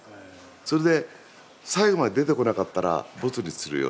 それで最後まで出てこなかったらボツにするよね。